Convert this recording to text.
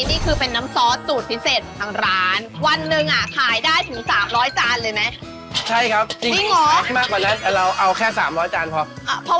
นี่คือเป็นน้ำซอสสูตรพิเศษของทางร้าน